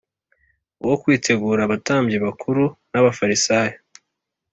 uwo Kwitegura abatambyi bakuru n Abafarisayo